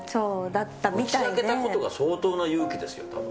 打ち明けたことが相当な勇気ですよ。